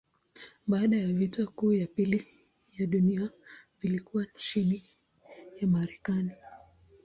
Baada ya vita kuu ya pili ya dunia vilikuwa chini ya Marekani.